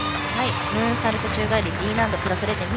ムーンサルト宙返りＤ難度。